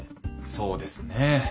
そうですね。